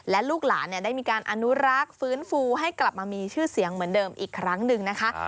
และลูกหลานได้มีการอนุรักษ์ฟื้นฟูให้กลับมามีชื่อเสียงเหมือนเดิมอีกครั้งหนึ่งนะคะ